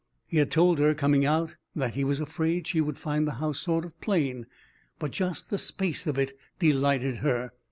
He had told her, coming out, that he was afraid she would find the house sort of plain, but just the space of it delighted her.